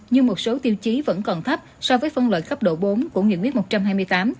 nhưng một số tiêu chí vẫn còn thấp so với phân loại cấp độ bốn của nghị quyết một trăm hai mươi tám